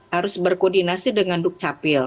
harus berkoordinasi dengan duk capil